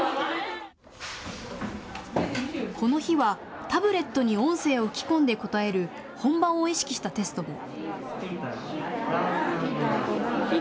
この日はタブレットに音声を吹き込んで答える本番を意識したテストも。